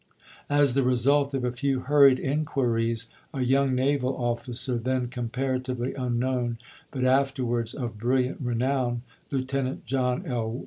As the result of a few hurried inquiries, a young naval officer, then comparatively unknown, but afterwards of brilliant renown, Lieutenant John L.